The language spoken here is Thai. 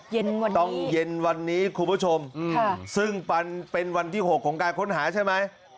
เย็นวันนี้คุณผู้ชมซึ่งเป็นวันที่๖ของการค้นหาใช่ไหม